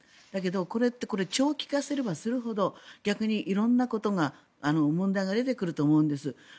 だけど、これって長期化すればするほど逆に色んな問題が出てくると思うんです。